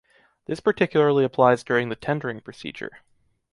This particularly applies during the tendering procedure.